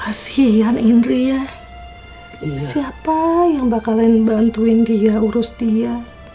hai ah kasihan indri ya siapa yang bakalan bantuin dia urus dia